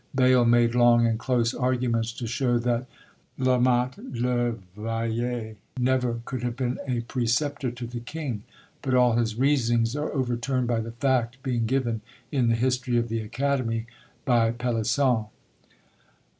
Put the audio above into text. Bayle made long and close arguments to show that La Motte le Vayer never could have been a preceptor to the king; but all his reasonings are overturned by the fact being given in the "History of the Academy," by Pelisson.